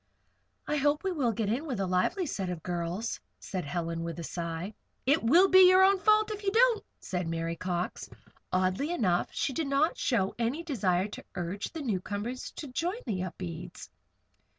"I hope we will get in with a lively set of girls," said Helen, with a sigh. "It will be your own fault if you don't," said Mary Cox. Oddly enough, she did not show any desire to urge the newcomers to join the Upedes.